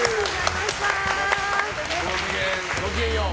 ごきげんよう。